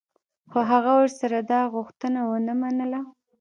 خو هغه ورسره دا غوښتنه و نه منله.